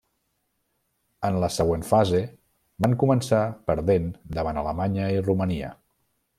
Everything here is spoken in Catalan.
En la següent fase van començar perdent davant Alemanya i Romania.